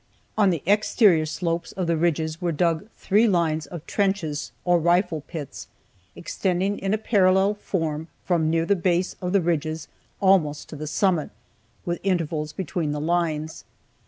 On the exterior slopes of the ridges were dug three lines of trenches, or rifle pits, extending in a parallel form from near the base of the ridges almost to the summit, with intervals between the lines.